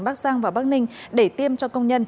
bắc giang và bắc ninh để tiêm cho công nhân